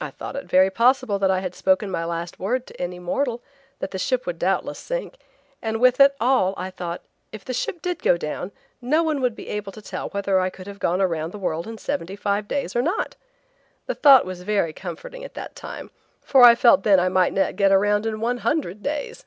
I thought it very possible that I had spoken my last word to any mortal, that the ship would doubtless sink, and with it all I thought, if the ship did go down, no one would be able to tell whether I could have gone around the world in seventy five days or not. The thought was very comforting at that time, for I felt then I might not get around in one hundred days.